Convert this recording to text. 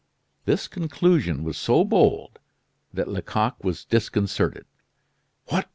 This conclusion was so bold that Lecoq was disconcerted. "What!"